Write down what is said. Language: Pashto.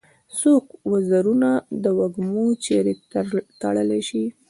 څوک وزرونه د وږمو چیري تړلای شي؟